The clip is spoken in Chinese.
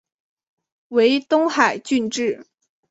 为东海郡治。